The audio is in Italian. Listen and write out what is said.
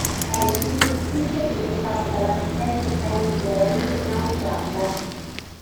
È il primo edificio progettato dall'architetto Frank Gehry in Australia.